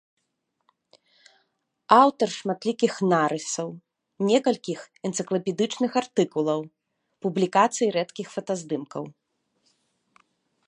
Аўтар шматлікіх нарысаў, некалькіх энцыклапедычных артыкулаў, публікацый рэдкіх фотаздымкаў.